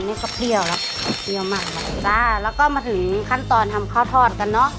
นี่ก็เปรี้ยวแล้วเปรี้ยวมากแล้วจ้าแล้วก็มาถึงขั้นตอนทำข้าวทอดกันเนอะ